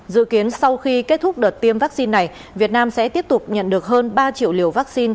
dự kiến sau khi kết thúc đợt tiêm vaccine này việt nam sẽ tiếp tục nhận được hơn ba triệu liều vaccine